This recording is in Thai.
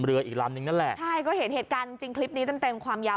นะฮะเกิดคลับภัยน้องดอกเจ้าอยุธี์กึ่งด้วย